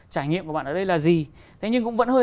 trải nghiệm của bạn ở đây là gì thế nhưng cũng vẫn hơi